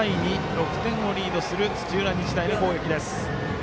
６点リードする土浦日大の攻撃。